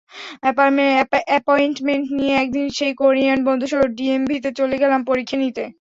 Appointment নিয়ে একদিন সেই কোরিয়ান বন্ধুসহ ডিএমভিতে চলে গেলাম পরীক্ষা দিতে।